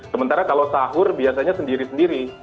sementara kalau sahur biasanya sendiri sendiri